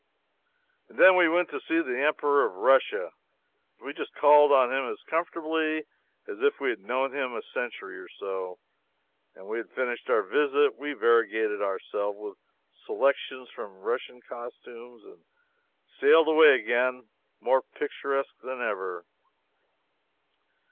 And then we went to see the Emperor of Russia. We just called on him as comfortably as if we had known him a century or so, and when we had finished our visit we variegated ourselves with selections from Russian costumes and sailed away again more picturesque than ever.